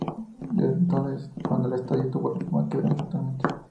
Es desde entonces cuando el estadio tuvo la forma que vemos actualmente.